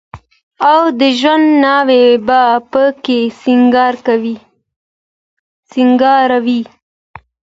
او د ژوند ناوې به په کې سينګار وه.